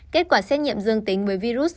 kết quả xét nghiệm dương tính với virus